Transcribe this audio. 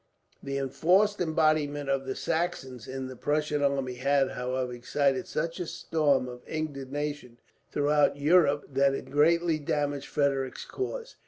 The enforced embodiment of the Saxons in the Prussian army had, however, excited such a storm of indignation throughout Europe that it greatly damaged Frederick's cause.